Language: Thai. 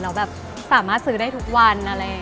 เราสามารถซื้อได้ทุกวันอะไรอย่างนี้